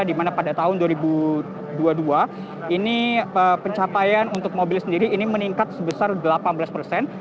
di mana pada tahun dua ribu dua puluh dua ini pencapaian untuk mobil sendiri ini meningkat sebesar delapan belas persen